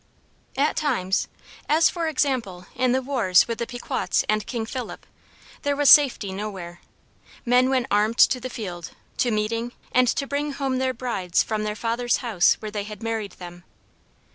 At times, as for example in the wars with the Pequots and King Philip, there was safety nowhere. Men went armed to the field, to meeting, and to bring home their brides from their father's house where they had married them.